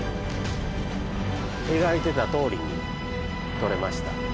描いてたとおりに取れました。